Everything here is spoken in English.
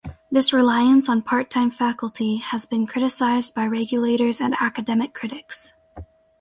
This reliance on part-time faculty has been criticized by regulators and academic critics.